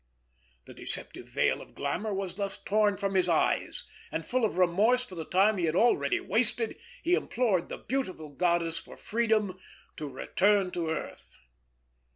The deceptive veil of glamour was thus torn from his eyes; and full of remorse for the time he had already wasted, he implored the beautiful goddess for freedom to return to earth.